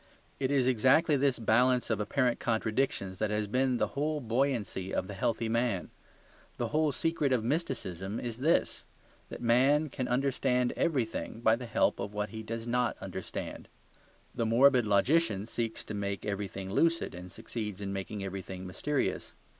It is exactly this balance of apparent contradictions that has been the whole buoyancy of the healthy man. The whole secret of mysticism is this: that man can understand everything by the help of what he does not understand. The morbid logician seeks to make everything lucid, and succeeds in making everything mysterious.